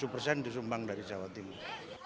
dua puluh tujuh persen disumbang dari jawa timur